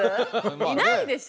いないでしょう？